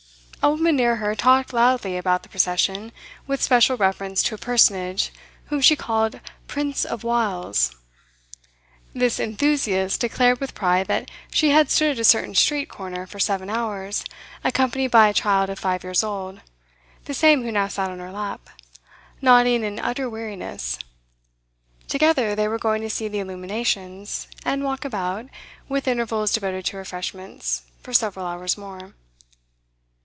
A woman near her talked loudly about the procession, with special reference to a personage whom she called 'Prince of Wiles.' This enthusiast declared with pride that she had stood at a certain street corner for seven hours, accompanied by a child of five years old, the same who now sat on her lap, nodding in utter weariness; together they were going to see the illuminations, and walk about, with intervals devoted to refreshments, for several hours more.